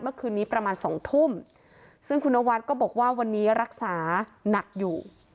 เมื่อคืนนี้ประมาณสองทุ่มซึ่งคุณนวัดก็บอกว่าวันนี้รักษาหนักอยู่